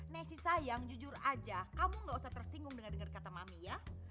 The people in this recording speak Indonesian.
nasi sayang jujur aja kamu gak usah tersinggung dengar dengar kata mami ya